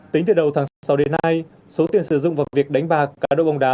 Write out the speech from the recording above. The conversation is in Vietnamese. tính từ đầu tháng sáu đến nay số tiền sử dụng vào việc đánh bạc cá độ bóng đá